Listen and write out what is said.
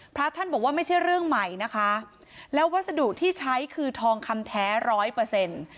พระท่านบอกว่าไม่ใช่เรื่องใหม่นะคะแล้ววัสดุที่ใช้คือทองคำแท้ร้อยเปอร์เซ็นต์